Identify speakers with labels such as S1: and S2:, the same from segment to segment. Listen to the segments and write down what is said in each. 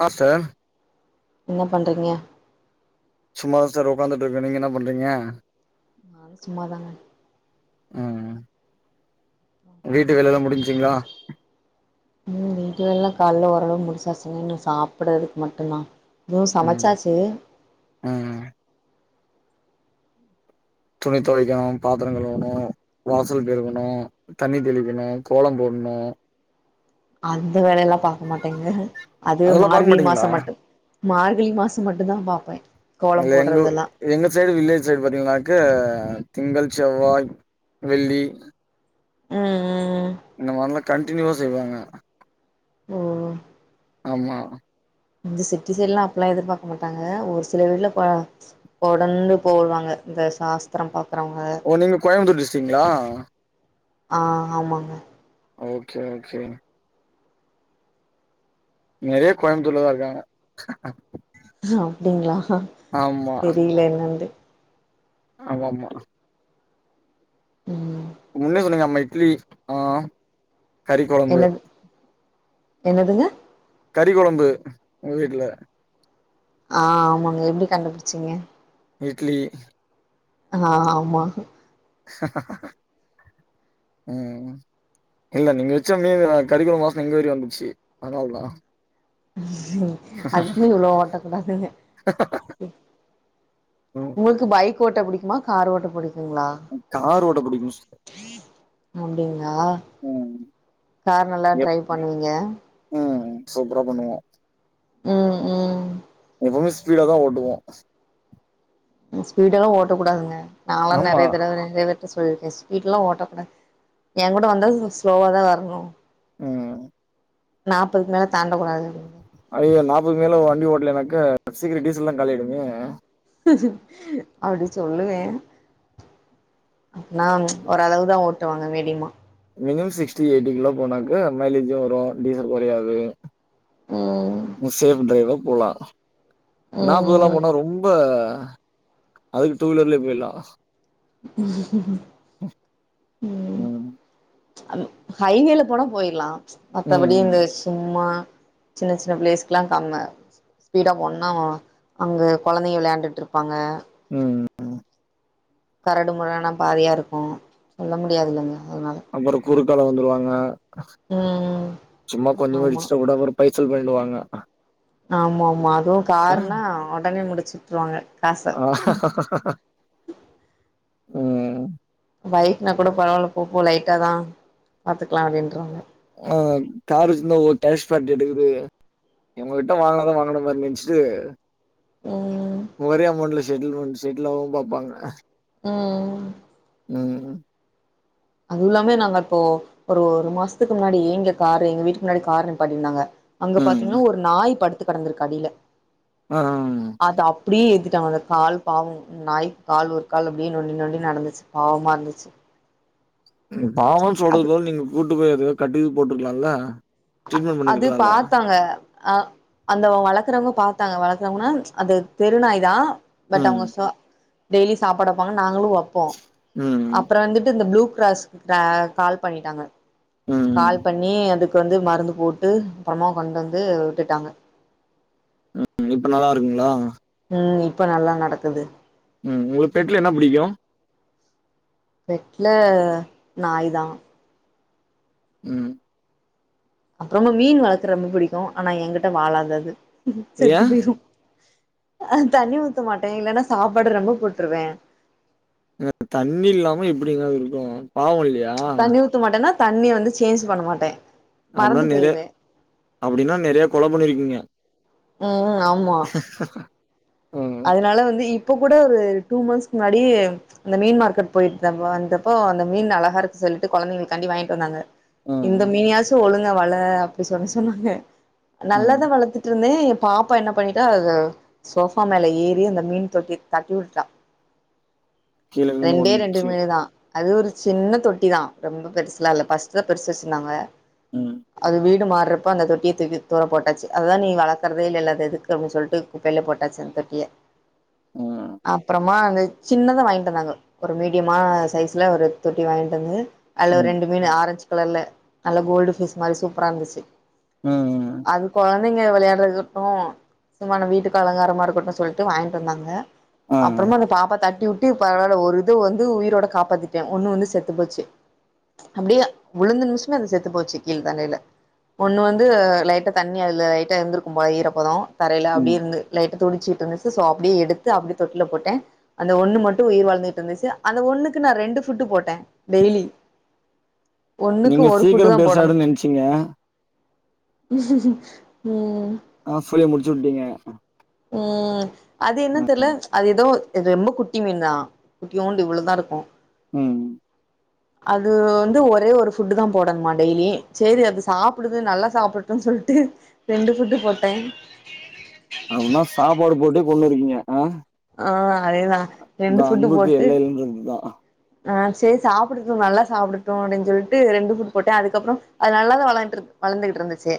S1: ஆ ச
S2: என்ன பண்றீங்க
S1: சும்மாதா சார் ஒக்காந்துட்டு இருக்கே நீங்க என்ன பண்றீங்க
S2: நானு சும்மாதாங்க
S1: ம் வீட்டு வேலல்லா முடிஞ்சிங்களா
S2: ம் ‌வீட் வேலைலா கால்ல ஓரளவுக்கு முடிசாச்சுங்க இன்னு சாப்புட்றதுக்கு மட்டுந்தா தோ சமைச்சாச்சு
S1: அ அ துணி தொவைக்கணு பாத்துரோ கழுவணு வாசல் பெறுகணு தண்ணி தெளிக்கணு கோலோ போட்ணு
S2: அந்த வேலையெல்லா பாக்க மாட்டேங்க அது
S1: அதெல்லா பாக்க
S2: மார்கழி
S1: மாட்டீங்களா
S2: மாசோ மட்டு மார்கழி மாசோ மட்டுந்தா பாப்பே கோலம்
S1: அதுல எங்கோ
S2: போட்றதெல்லா
S1: எங்க சைடு வில்லேஜ் சைடு பாத்தீங்கன்னாக்க திங்கள் செவ்வாய் வெள்ளி
S2: ம் ம் ம்
S1: இந்த மாரிலா கண்டினியூவா செய்வாங்க
S2: ஓ
S1: ஆமா
S2: இந்த சிட்டி சைட்லா அப்பிலா எதிர்பாக்க மாட்டாங்க ஒரு சில வீட்ல கோ போடணுண்டு போடுவாங்க இந்த சாஸ்தரம் பாக்குறவங்க
S1: ஓ நீங்க கோயம்பத்தூர் டிஸ்டிக்குங்ளா
S2: ஆ ஆமாங்க
S1: ஓகே ஓகே நிறைய கோயம்புத்தூர்லதான் இருக்காங்க
S2: அப்டிங்களா
S1: ஆமா
S2: தெரில என்னான்டு
S1: ஆமா ஆமா
S2: ம்
S1: முன்னே சொன்னீங்க நம்ம இட்லி ஆ கறி கொழம்பு
S2: என்னத் என்னதுங்க
S1: கறி குழம்பு உங்க வீட்ல
S2: ஆ ஆமாங்க எப்டி கண்டுபுடிச்சீங்க
S1: இட்லி
S2: ஆ ஆமா
S1: ஹா ஹா ஹா ம் இல்ல நீங்க வச்ச மீர்ன கறிக்கொழம்பு வாசன இங்க வரி வந்துச்சு அதனால தான்
S2: அதுக்குன்னு இவ்வளோ ஓட்டக் கூடாதுங்க இ
S1: ம்
S2: உங்களுக்கு பைக் ஓட்ட புடிக்குமா கார் ஓட்ட புடிக்குங்களா
S1: கார் ஓட்ட புடிக்கும் ஸ்
S2: அப்டிங்ளா
S1: ம்
S2: கார் நல்லா
S1: எப்
S2: ட்ரை பண்ணுவீங்க
S1: ம் சூப்பரா பண்ணுவ
S2: ம் ம்
S1: எப்பவுமே ஸ்பீடா தான் ஓட்டுவோம்
S2: ம் ஸ்பீடவே ஓட்டக் கூடாதுங்க நாளாம்
S1: ஆமா
S2: நறையா தடவை நறையா பேர் கிட்ட சொல்லிருக்கேன் ஸ்பீட்லாம் ஓட்டக் கூடாது என் கூட வந்தா ஸ்லோவா தான் வரணும்
S1: ம்
S2: நாற்பதுக்கு மேல தாண்டக்கூடாது
S1: அய்யோ நாபத்து மேல வண்டி ஓடலன்னாக்க சீக்கிரி டீசல் எல்லாம் காலியாய்டுமே
S2: அப்டி சொல்லுவே நா ஓரளவுதான் ஓட்டுவாங்க மீடிமா
S1: மினிமம் சிக்ஸ்டி எயிட்டி கிலோ போனாக்கா மைலேஜும் வரும் டீசல் குறையாது
S2: ம்
S1: முசே டைவர் போலா நாப்பதெல்லாம்
S2: ம்
S1: போனா ரொம்ப அதுக்கு டூ வீலர்லே போய்லாம்
S2: உ
S1: ம்
S2: ஹைவேல போனா போய்ரலாம்
S1: ம்
S2: மத்தபடி
S1: ம்
S2: இந்த சும்மா சின்ன சின்ன பிளேஸ்க்கெல்லாம் கார்னா ஸ்பீடா போனா அங்க குழந்தைங்க விளையாண்டுட்டு இருப்பாங்க
S1: ம் ம்
S2: கரடு முரடான பாதையா இருக்கும் செல்ல முடியாது இல்லைங்க அதனால
S1: அப்பறோ குறுக்கால வந்துடுவாங்க அ
S2: ம்
S1: சும்மா கொஞ்சமா
S2: ஆமா
S1: இடிச்சுட்டா கூட அப்பறோ பைசல் பண்ணிடுவாங்க
S2: ஆமாம்மா அதுவும் காருன்னா உடனே முடிச்சுட்டுருவாங்க காசு
S1: ம்
S2: பைக்னா கூட பரவால போ போ லைட்டா தான் பாத்துக்கலாம் அப்டின்றாங்க
S1: ஆ கார் வச்சிருந்தா ஒ கனிஷ் பார்ட்டி இட்றுக்கு இவ்ங்ககிட்ட வாங்னாவே வாங்குன மாரி நெனச்சிட்டு
S2: ம்
S1: ஒரே அமௌண்ட்ல செட்டில்மண்ட் செட்லாவு பாப்பாங்க
S2: ம்
S1: ம்
S2: அதுவுல்லாமே நாங்க இப்போ ஒரு ஒரு மாசத்துக்கு முன்னாடியே இங்க காரு எங்க வீட்டுக்கு முன்னாடி காரு நிப்பாட்டிருந்தாங்க அங்க
S1: ம்
S2: பாத்தீங்கனா ஒரு நாய் படுத்து கெடந்திருக்கு அடில
S1: அ அம்
S2: அத அப்டியே ஏத்திட்டாங்க அந்த கால் பாவ நாய் கால் ஒரு கால் அப்டியே நொண்டி நொண்டி நடந்துச்சு பாவமா இருந்துச்சு
S1: ம் பாவன்
S2: அது
S1: சொல்றதுக்கு பதில் நீங்க கூட்டு போய் எதயோ கட்டு இது போட்ருக்கலால்ல
S2: அது பாத்தாங்க அ அந்த வ வளக்றவ்ங்க பாத்தாங்க வளக்றவ்ங்கனா அது தெருநாய் தா பட்
S1: ம்
S2: அவ்ங்க சா டெய்லி சாப்பாடு வப்பாங்க நாங்களு வப் போ
S1: ம்
S2: அப்ற வந்துட்டு இந்த ப்ளூகிராஸ் கா கால் பண்ணிட்டாங்க
S1: ம்
S2: கால் பண்ணி அதுக்கு வந்து மருந்து போட்டு அப்றமா கொண்டு வந்து விட்டுட்டாங்க
S1: ம் இப்ப நல்லா இருக்குங்ளா
S2: ம் இப்ப நல்லா நடக்குது
S1: ம் உங்களுக்கு பெட்ல என்ன புடிக்கு
S2: பெட்ல நாய்தா
S1: ம்
S2: அப்றோங்க மீன் வளக்க ரெம்ப புடிக்கு ஆனா எங்கிட்ட வாழாது அது செத்து
S1: ஏன்
S2: போய்ரு அ தண்ணி ஊத்த மாட்டே இல்லனா சாப்பாடு ரெம்ப போட்ருவே
S1: ம் தண்ணி இல்லாம எப்டிங்க அது இருக்கு பாவோ இல்லையா
S2: தண்ணி ஊத்த மாட்டனா தண்ணிய வந்து சேஞ்ச் பண்ண மாட்டே
S1: அப்னா
S2: மறந்து
S1: நெறைய
S2: போயிருவே
S1: அப்டினா நெறையா கொல பண்ணிருக்கீங்க
S2: ம் ஆமா
S1: ம்
S2: அதனால வந்து இப்ப கூட ஒரு டூ மந்த்ஸ்க்கு முன்னாடி இந்த மீன் மார்க்கெட் போய் த வந்தப்போ அந்த மீன் அழகாருக்கு சொல்லிட்டு கொழந்தைங்களுக்காண்டி வாங்கிட்டு வந்தாங்க இந்த
S1: ம்
S2: மீனயாச்சு ஒழுங்கா வள அப்டி சொன்ன சொன்னாங்க
S1: ம்
S2: நல்லாதா வளத்துட்ருந்தே எ பாப்பா என்ன பண்ணிட்டா அத சோஃப் ஃபா மேல ஏறி அந்த மீன் தொட்டிய தட்டி வுட்டுடா
S1: கீழ விழுந்து
S2: ரெண்டே ரெண்டு
S1: ஒடஞ்சிச்சு
S2: மீனுதா அது ஒரு சின்ன தொட்டிதா ரொம்ப பெருசுலா இல்ல பஸ்ட்தா பெருசு வச்சுருந்தாங்க
S1: ம்
S2: அது வீடு மாற்றப் ப அந்த தொட்டிய தூக்கி தூர போட்டாச்சு அதா நீ வளக்கற்தே இல்லல்ல அது எதுக்கு அப்டின் சொல்ட்டு குப்பைல போட்டாச்சு தொட்டிய
S1: ம்
S2: அப்றமா அந்த சின்னதா வாங்கிட்டு வந்தாங்க ஒரு மீடியமா சைஸ்ல ஒரு தொட்டி வாங்கிட்டு வந்து அதுல ஒரு
S1: ம்
S2: ரெண்டு மீனு ஆரஞ்ச் கலர்ல நல்லா கோல்டு ஃபிஷ் மாரி சூப்பரா இருந்துச்சு
S1: ம் ம்
S2: அது கொழைந்தைங்க வெளையாட்றதுக்கு சும்மா நம்ம வீட்டுக்கு அலங்காரமா இருக்கட் டுன் சொல்ட்டு வாங்கிட்டு வந்தாங்க
S1: ஆ
S2: அப்றமா அந்த பாப்பா தட்டி வுட் டு பரவால்ல ஒரு இத வந்து உயிரோட காப்பாத்திட்டே ஒன்னு வந்து செத்து போச்சு அப்டியே வுழுந்த நிம்ஷமே அது செத்து போச்சு கீழ் தலைல ஒன்னு வந்து லைட்டா தண்ணி அதுல லைட்டா இருந்துருக்கு போல ஈரப்பத தரைல
S1: ம்
S2: அப்டியே இருந்து லைட்ட துடுச்சுகிட்ருந்துச்சு ஸோ அப்டியே எடுத்து அப்டியே தொட்டில போட்டே அந்த ஒன்னு மட்டு உயிர் வாழ்ந்துக்கிட்ருந்துச்சு அந்த ஒன்னுக்கு நா ரெண்டு ஃபுட்டு போட்டே டெய்லி ஒண்ணுக்கு
S1: நீங்க
S2: ஒரு ஃபுட்டு
S1: சீக்கரோ
S2: தா போடணு
S1: பெருசாய்டுன் நென்ச்சிங்க
S2: ம்
S1: ஆ ஃபொல்லிய முடிச்சு வுட்டீங்க
S2: ம் அது என்ன தெர்ல அது எதோ ரொம்ப குட்டி மீன் தா குட்டியோண்டு இவ்ளோதா இருக்கு
S1: ம்
S2: அது வந்து ஒரே ஒரு ஃபுட்டு் தா போடணுமா டெய்லி சேரி அது சாப்புடுது நல்லா சாப்டட்டுன்சொல்ட்டு ரெண்டு ஃபுட்டு போட்டே
S1: அப்பின்னா சாப்பாடு போட்டே கொன்னு இருக்கீங்க ஆ
S2: ஆ அதேதா ரெண்டு
S1: இதா
S2: ஃபுட்டு
S1: அன்புக்கு
S2: போட்டு
S1: எல்ல இல்லன்றது இதா
S2: அ சேரி சாப்புடட்டு நல்லா சாப்புடட்டு அப்டின் சொல்ட்டு ரெண்டு ஃபுட் போட்ட அதுக்கப்றோ அது நல்லாதா வளான்ட்ரு வளந்துகுட்ருந்துச்சு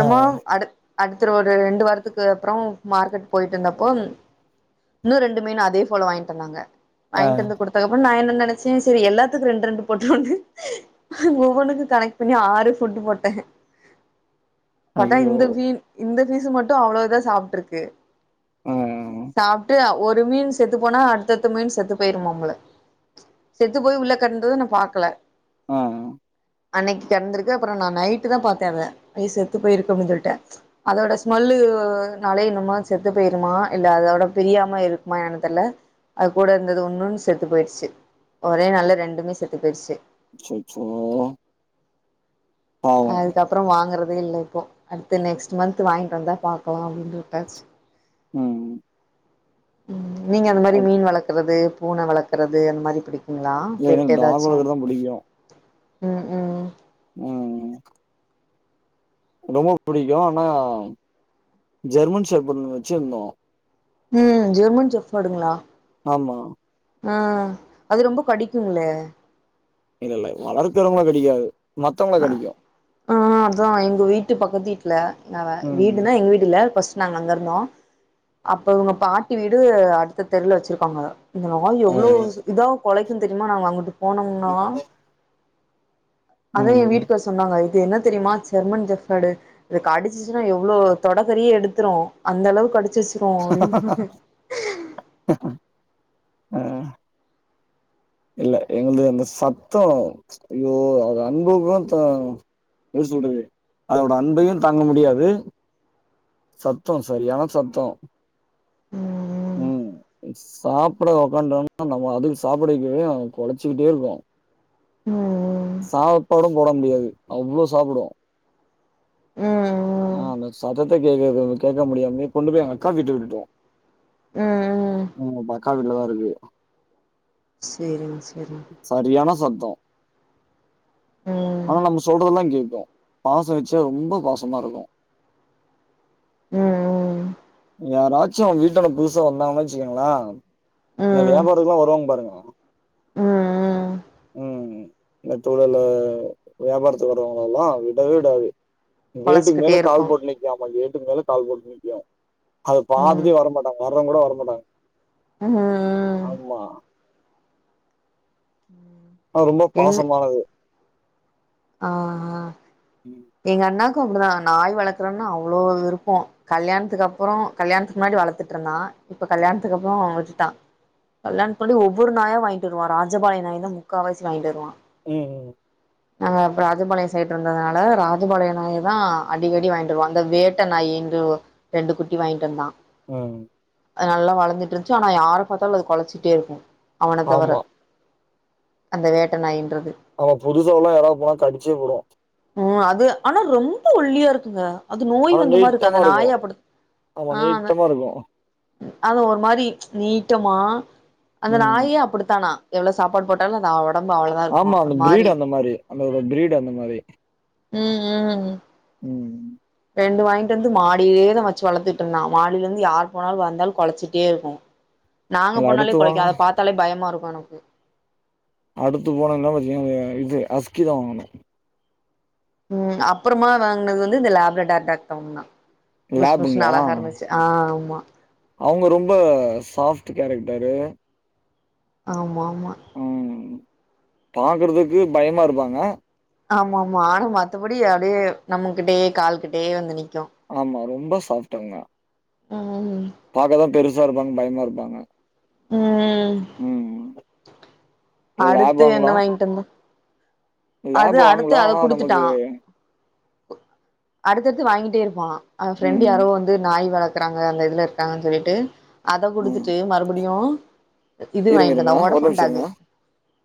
S1: ஆ
S2: அடு அடுத்தரோடு ரெண்டு வாரத்துக்கு அப்றோ மார்க்கட் போயிட்ருந்தப்போ இன்னு ரெண்டு மீனு அதே போல வாங்கிட்டு வந்தாங்க
S1: ஆ
S2: வாங்கிட்டு வந்து குடு அதுக்கப்றோ நா என்ன நெனச்சே சேரி எல்லாத்துக் ரெண்டு ரெண்டு போட்ருவோனு ஒவ்வொண்ணுக்கு கனக் பண்ணி ஆறு ஃபுட்டு போட்ட பாத்தா
S1: ஐயோ
S2: இந்த ஃபீன் ஃபிசு மட்டு அவ்ளோ இத சாப்ட்ருக்கு
S1: ம் ம் ம்
S2: சாப்ட்டு ஒரு மீன் செத்து போனா அடுத்தத்த மீன் செத்து போயிருமாம்ல செத்து போய் உள்ள கெடந்தத நா பாக்கல
S1: ஆ அ
S2: அன்னைக்கு கெடந்திருக்கு அப்புறோ நா நைட்டு் தா பாத்தே அத அய் செத்து போயிருக்கு அப்டி சொல்ட்டு அதோட ஸ்மெல்லு நாலே என்னமோ செத்து போயிருமா இல்ல அதோட பிரியாம இருக்குமா என்னன்னு தெர்ல அது கூட இருந்தது இன்னொன்னு செத்து போயிருச்சு ஒரே நாள்ல ரெண்டுமே செத்து போயிடுச்சு
S1: அச்சச்சோ பாவு
S2: அதுக்கப்றோ வாங்கறதே இல்ல இப்போ அடுத்த நெக்ஸ்ட் மந்த் வாங்கிட்டு வந்தா பாக்கலா அப்டின்ட்டு விட்டாச்சு
S1: ம்
S2: ம் நீங்க அந்த மாரி
S1: அப்
S2: மீன் வளர்க்கறது பூன வளர்க்கறது அந்த மாரி பிடிக் ங்களா பெட்
S1: எனக்கு டாக்
S2: எதாச்சு
S1: வளக்கறதுதா புடிக்கு
S2: ம் ம்
S1: ம் ம் டொமோப் புடிக்கு ஆனா ஜெர்மன் செஃப்படு ஒன்னு வச்சு இருந்தோ
S2: ம் ஜெர்மன் செப்படுங்களா
S1: ஆமா
S2: ஆ அது ரொம்ப கடிக்குங்களே
S1: இல்ல இல்ல வளர்க்கறவங்கள கடிக்காது மத்தவங்கள கடிக்கு
S2: ஆ அதா எங்க வீட்டு பக்கத்து வீட்ல நவ
S1: ம்
S2: வீடுனா எங்க வீடு இல்ல ஃபஸ்ட் நாங்க அங்க இருந்தோ அப்ப இவுங்க பாட்டி வீடு அடுத்த தெருவுல வச்சிருக்காங்க இந்த நாய் எவ்ளோ
S1: ம்
S2: இதா கொலைக்கு தெரியுமா நாங்க அங்குட்டு போனோம்னா அதா எ
S1: ம்
S2: வீட்டுகாரு சொன்னாங்க இது என்ன தெரியுமா ஜெர்மன் ஜெஃபடு இது கடிச்சிச்சுன்னா எவ்ளோ தொடக்கறியே எடுத்துரு அந்த அளவுக்கு கடிச்சிருச்சு
S1: அ இல்ல எங்களது அந்த சத்தோ ஐயோ அது அன்புக்கு த எப் சொல்றது அதோட அன்பையு தாங்க முடியாது சத்த சரியான சத்த ம் சாப்பிட உக்காண்டோம்னா நம்ம அதுக்கு சாப்பிடக்கவே கொலைச்சிக்கிட்டே இருக்கு
S2: ம்
S1: சாப்பாடும் போட முடியாது அவ்வள சாப்புடு
S2: ம்
S1: ஆ அந்த சத்தத்தை கேக்க கேக்க முடியாமயே கொண்டு போய் எங்கக்கா வீட்ல விட்டுட்டோ
S2: ம் ம்
S1: ம் பக்கா வீட்டுலதா இருக்கு
S2: செரிங் செரிங்
S1: சரியான சத்தோ
S2: ம்
S1: ஆனா நம்ம சொல்றதெல்லா கேக்கு பாசோ வெச்சா ரொம்ப பாசமா இருக்கு
S2: ம் ம்
S1: யாராச்சு அவெ வீட்டோடு புதுசா வந்தாங்கனு வச்சிக்கோங்க்ள இந்த
S2: ம்
S1: வியாபாருங்க வருவாங்க பாருங்க
S2: ம் ம்
S1: ம் இந்த துகளு வியாபாரத்துக்கு வரவுங்களல்லா விடவே விடாது கேட்டுக்கு
S2: கொலச்சிக்கிட்டே
S1: மேல
S2: இருக்கு
S1: கால் போட்டு நிக்காம கேட்டு மேல கால் போட்டு நிக்கு அது
S2: ம்
S1: பாத்துட்டே
S2: ம்
S1: வரமாட்டாங்க வர்றவங்க கூட வரமாட்டாங்க
S2: ம் ம்
S1: ஆமா ஆ ரொம்ப
S2: எங்
S1: பாசமானது
S2: ஆ ஆ
S1: ம்
S2: எங்க அண்ணாக்கு அப்படிதா நாய் வளக்கறோன்னா அவ்ளோ விருப்போ கல்யாணத்துக்கு அப்பற கல்யாணத்துக்கு முன்னாடி வளத்துட்ருந்தா இப்ப கல்யாணத்துக்கு அப்பற விட்டுட்டா கல்யாண பண்ணி ஒவ்வொரு நாயா வாங்கிட்டு வருவா ராஜபாளைய நாய்தா முக்கால் வாசி வாங்கிட்டு வருவா
S1: ம்
S2: நாங்க ராஜபாளையோ சைடு இருந்ததுனால ரா பாழைய நாய தா அடிக்கடி வாங்கிண்ட்ருவா அந்த வேட்டை நாயி என்டு ரெண்டு குட்டி வாங்கிட்டு வந்தா
S1: ம்
S2: அது நல்லா வளந்துட்ருச்சு ஆனா யார பாத்தாலு அது கொலைச்சிட்டே இருக்கு அவன தவர
S1: ஆமா
S2: அந்த வேட்ட நாயின்றது
S1: ஆமா புதுசாவெலா யாரா போனா கடிச்சே புடு
S2: ம் அது ஆனா ரொம்ப ஒல்லியா இருக்குங்க அது நோய்
S1: ஆனா
S2: வந்த மாருக்கு அந்த
S1: நீட்டமா இருக்கு
S2: நாயே அப்புடி
S1: ஆமா
S2: ஆ ந
S1: நீட்டமா இருக்கு
S2: அது ஒரு மாரி நீட்டமா அந்த
S1: ம்
S2: நாயே அப்டித்தானா எவ்ளோ சாப்பாடு போட்டாலு அந்த ஒடம்பு அவ்ளோதா இருக்குமா
S1: ஆமா
S2: ஒரு
S1: அந்த பிரீடு
S2: மாரி
S1: அந்த அந்த ஒரு பிரீடு அந்த மாரி
S2: ம் ம்
S1: ம்
S2: ரெண்டு வாங்கிட்டு வந்து மாடியிலேதா வெச்சு வளத்துட்டு இருந்தா மாடியில இருந்து யாரு போனாலு வந்தாலு கொலச்சிட்டே இருக்கு நாங்க
S1: அதுல
S2: போனாலே
S1: அடுத்து
S2: கொலைக்கு
S1: வாங்குன
S2: அத பாத்தாலே பயமா இருக்கு எனக்கு
S1: அடுத்து போனனா பாத்தீங்க இது அஸ்கிதா வாங்குணு
S2: ம் அப்பொறமா வாங்குனது வந்து இந்த லேப்லெட் அர்டாகவங்க தா புஸ் புஸுனு
S1: லேபுங்களா?
S2: அழகா இருந்துச்சி ஆ ஆமா
S1: அவங்க ரொம்ப சாஃப்டு கேரக்டரு
S2: ஆமா ஆமா
S1: ம் பாக்குறதுக்கு பயமா இருப்பாங்க
S2: ஆமா ஆமா ஆனா மத்தபடி அப்டியே நம்மகிட்டயே கால்கிட்டயே வந்து நிக்கு
S1: ஆமா ரொம்ப சாஃப்டு அவுங்க
S2: ம்
S1: பாக்கதா பெருசா இருப்பாங்க பயமா இருப்பாங்க
S2: ம்
S1: ம். லேப்
S2: அடுத்து என்ன
S1: வாங்கலாம்.
S2: வாங்கிட்டு வந்த அது
S1: லேப்
S2: அடுத்து
S1: வாங்கலாம்.
S2: அத
S1: ஆனா
S2: குடுத்துட்டா
S1: நமக்கு
S2: அடுத்தடுத்து வாங்கிட்டே இருப்பான் அந்த ஃப்ரெண்டு்
S1: ம்,
S2: யாரோ வந்து நாய் வள க்குறாங்க அந்த இதுல இருக்காங்கன் சொல்லிட்டு அத
S1: ம்.
S2: குடுத்துட்டு மறுபடியு இது
S1: இருங்க,
S2: வாங்கிட்டு
S1: இருங்க.
S2: வந்தா
S1: ஒரு
S2: வோடஃபோன்
S1: நிமிஷம் இருங்க.
S2: டாகு